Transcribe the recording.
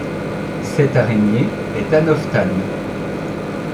Cette araignées est anophthalme.